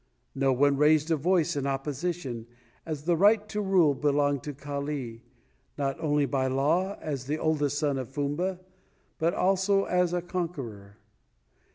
No one raised a voice in opposition, as the right to rule belonged to Kali not only by law, as the oldest son of Fumba, but also as a conqueror.